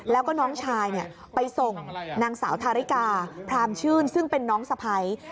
แล้วก็น้องชายไปส่งนางสาวทาริกาพรามชื่นซึ่งเป็นน้องสะพ้าย